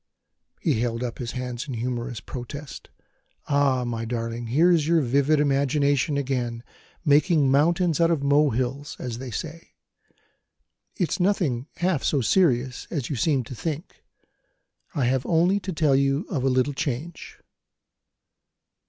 He held up his hands in humorous protest: "Ah, my darling, here's your vivid imagination again, making mountains out of molehills, as they say! It's nothing half so serious as you seem to think; I have only to tell you of a little change."